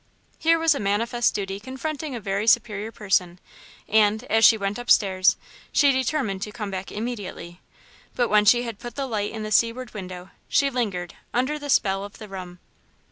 Here was a manifest duty confronting a very superior person and, as she went upstairs, she determined to come back immediately, but when she had put the light in the seaward window, she lingered, under the spell of the room.